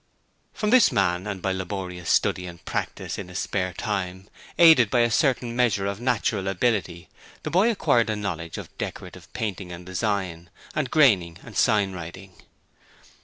From this man and by laborious study and practice in his spare time, aided by a certain measure of natural ability, the boy acquired a knowledge of decorative painting and design, and graining and signwriting.